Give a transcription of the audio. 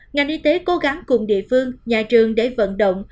ngành y tế cố gắng cùng địa phương nhà trường để vận động